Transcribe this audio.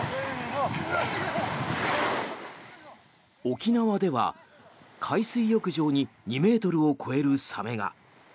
沖縄では海水浴場に２ｍを超えるサメが。